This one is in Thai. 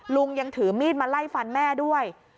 ลุงยังถือมีดมาไล่ฟันแม่ด้วย